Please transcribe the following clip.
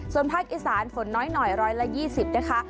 ส่วนภาคอิสานฝนน้อย๑๒๐นะคะ